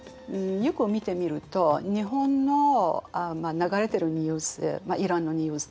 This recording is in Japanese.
よく見てみると日本の流れてるニュース